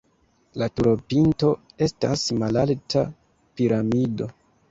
La turopinto estas malalta piramido.